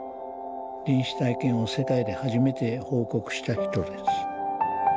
臨死体験を世界で初めて報告した人です。